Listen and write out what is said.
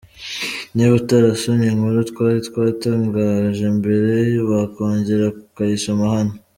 Niba utarasomye inkuru twari twatangaje mbere wakongera ukayisoma hano.